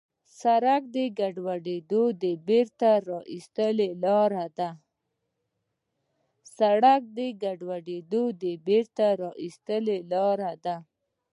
سړک د کډوالو د بېرته راستنېدو لاره ده.